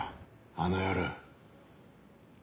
あの夜。